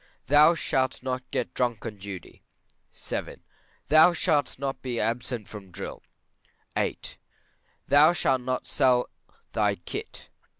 Thou shalt not get drunk on duty. VII. Thou shalt not be absent from drill. VIII. Thou shalt not sell thy kit.